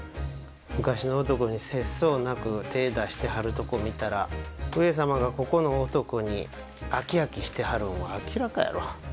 昔の男に節操なく手ぇ出してはるとこ見たら上様がここの男に飽き飽きしてはるんは明らかやろ？